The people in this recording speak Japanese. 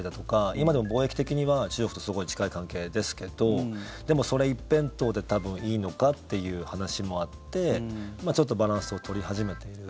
今でも貿易的には中国とすごい近い関係ですけどでも、それ一辺倒で多分いいのかっていう話もあってちょっとバランスを取り始めている。